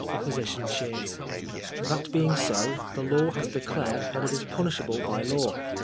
(Opposition cheers.) That being so, the law has declared that it is punishable by law.